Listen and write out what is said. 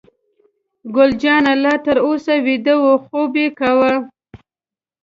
ګل جانه لا تر اوسه ویده وه، خوب یې کاوه.